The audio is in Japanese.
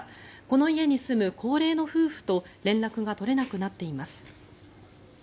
この家に住む高齢の夫婦と連絡が取れなくなっています。